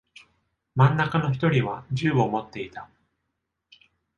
真ん中の一人は銃を持っていた。